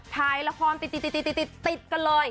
ท้ายละครติดติดกันเลย